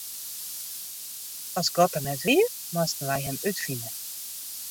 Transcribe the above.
As God der net wie, moasten wy Him útfine.